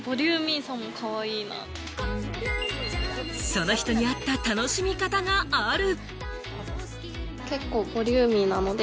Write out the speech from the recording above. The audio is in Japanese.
その人に合った楽しみ方がある。